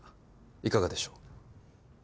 いかがでしょう？